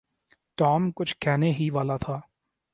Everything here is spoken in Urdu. ٹام کچھ کہنے ہی والا تھا۔